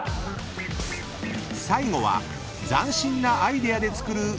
［最後は斬新なアイデアで作るそばめし］